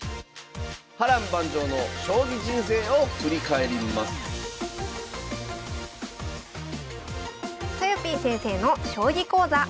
波乱万丈の将棋人生を振り返りますとよぴー先生の将棋講座。